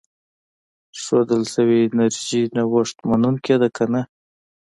ښودل شوې انرژي نوښت منونکې ده که نه.